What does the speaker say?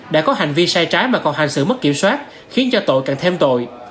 đã có hành vi sai trái mà còn hành xử mất kiểm soát khiến cho tội càng thêm tội